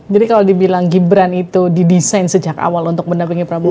jadi kalau dibilang gibran itu didesain sejak awal untuk mendapingi prabowo kan